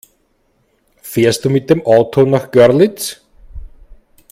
Fährst du mit dem Auto nach Görlitz?